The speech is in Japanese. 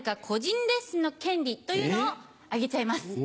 個人レッスンの権利というのをあげちゃいます。